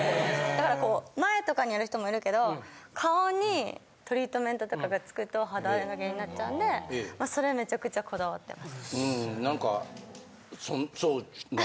だからこう前とかにやる人もいるけど顔にトリートメントとかがつくと肌荒れの原因になっちゃうんでそれめちゃくちゃこだわってます。